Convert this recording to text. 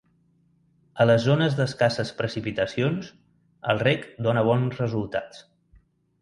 A les zones d'escasses precipitacions, el reg dóna bons resultats.